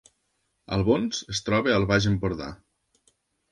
Albons es troba al Baix Empordà